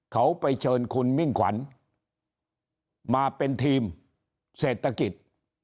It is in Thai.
เขาไปเชิญคุณมิ่งขวัญมาเป็นทีมเศรษฐกิจ